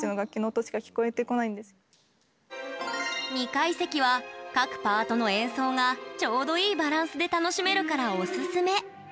２階席は各パートの演奏がちょうどいいバランスで楽しめるから、おすすめ。